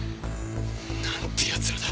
なんて奴らだ。